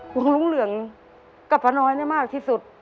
ลุงรุ้งเหลืองกับป้าน้อยมากที่สุด